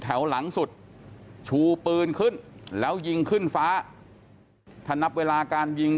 หลังสุดชูปืนขึ้นแล้วยิงขึ้นฟ้าถ้านับเวลาการยิง